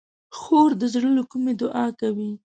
خور د زړه له کومي دعا کوي.